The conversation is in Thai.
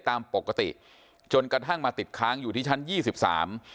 ตามปกติจนกระทั่งมาติดค้างอยู่ที่ชั้นยี่สิบสาม